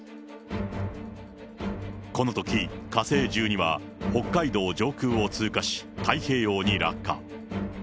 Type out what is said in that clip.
このとき、火星１２は北海道上空を通過し、太平洋に落下。